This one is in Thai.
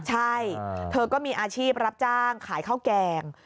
ใช่เธอก็มีอาชีพรับจ้างขายข้าวแกง